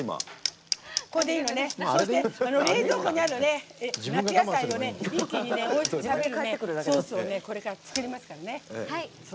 冷蔵庫にある夏野菜を一気に、おいしくさせるソースを作りますからね。